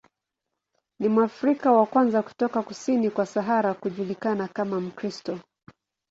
Ni Mwafrika wa kwanza kutoka kusini kwa Sahara kujulikana kama Mkristo.